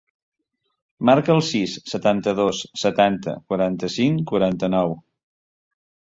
Marca el sis, setanta-dos, setanta, quaranta-cinc, quaranta-nou.